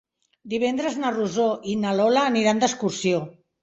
Divendres na Rosó i na Lola aniran d'excursió.